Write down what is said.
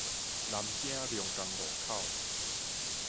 南京龍江路口